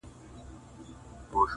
يو اسوېلے وم مجسم او يا يو درد مجسم